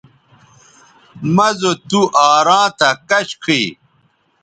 مہ زو تُوآراں تھا کش کھئ